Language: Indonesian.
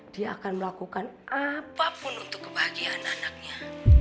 dia akan melakukan apapun untuk kebahagiaan anaknya